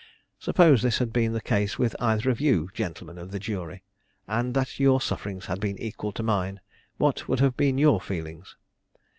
Suppose this had been the case with either of you, gentlemen of the jury, and that your sufferings had been equal to mine, what would have been your feelings?